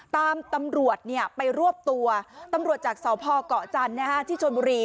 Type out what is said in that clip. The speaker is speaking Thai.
ตำรวจไปรวบตัวตำรวจจากสพเกาะจันทร์ที่ชนบุรี